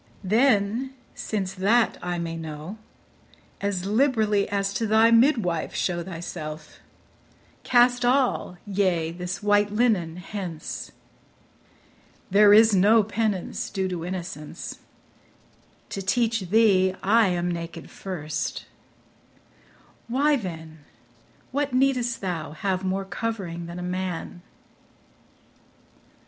Then, since that I may know, As liberally as to thy midwife show Thyself ; cast all, yea, this white linen hence ; There is no penance due to innocence : To teach thee, I am naked first ; why then, What needst thou have more covering than a man?